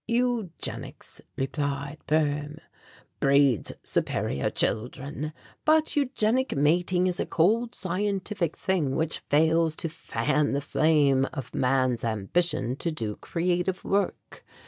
"Eugenics," replied Boehm, "breeds superior children, but eugenic mating is a cold scientific thing which fails to fan the flame of man's ambition to do creative work.